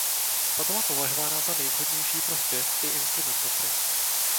Ta byla považována za nejvhodnější pro zpěv i instrumentaci.